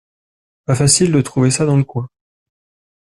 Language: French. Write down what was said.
Pas facile de trouver ça dans le coin.